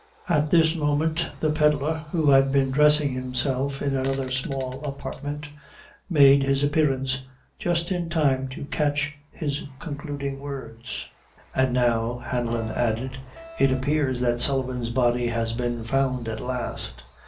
At this moment, the pedlar, who had been dressing himself in another small apartment, made, his appearance, just in time to catch his concluding words. "An' now," Hanlon added, "it appears that Sullivan's body has been found at last.